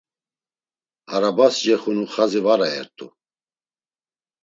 Arabas cexunu xazi var ayert̆u.